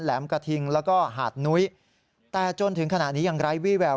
แหมกระทิงแล้วก็หาดนุ้ยแต่จนถึงขณะนี้ยังไร้วี่แวว